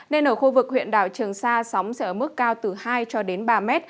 nên ở khu vực huyện đảo trường sa sóng sẽ ở mức cao từ hai cho đến ba m